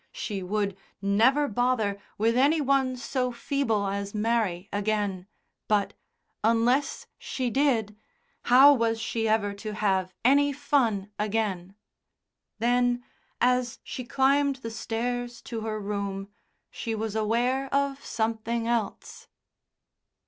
She would never bother with any one so feeble as Mary again, but, unless she did, how was she ever to have any fun again? Then as she climbed the stairs to her room, she was aware of something else.